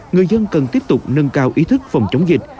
người dân cần tiếp tục nâng cao ý thức phòng chống dịch